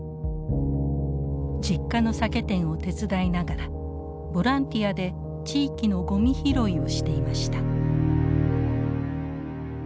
実家の酒店を手伝いながらボランティアで地域のゴミ拾いをしていました。